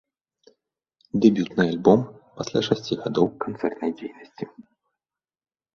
Дэбютны альбом, пасля шасці гадоў канцэртнай дзейнасці.